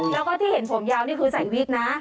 แล้วก็ที่เห็นผมยาวนี่คือใส่วิกนะ